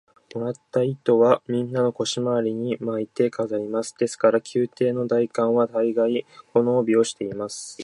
もらった糸は、みんな腰のまわりに巻いて飾ります。ですから、宮廷の大官は大がい、この帯をしています。